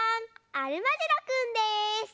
アルマジロくんです！